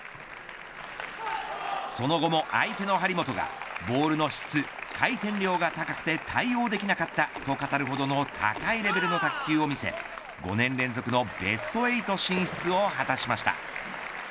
その後も相手の張本がボールの質回転量が高くて対応できなかったと語るほどの高いレベルの卓球を見て５年連続のベスト８進出を果たしました。